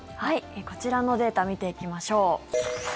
こちらのデータ見ていきましょう。